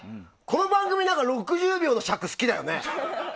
この番組、６０秒の尺好きだよね。